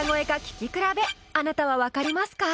聴き比べあなたは分かりますか？